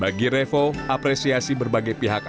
bagi revo apresiasi berbagai pihak